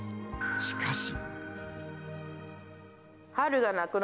しかし。